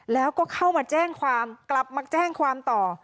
แล้วก็เข้ามาแจ้งความกลับมาแจ้งความต่อ